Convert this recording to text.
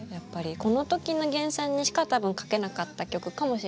この時の源さんにしか多分書けなかった曲かもしれないし。